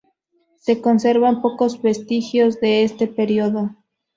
Se conservan pocos vestigios de este periodo.